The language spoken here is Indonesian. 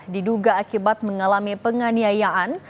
diduga akibat mengalami penganiayaan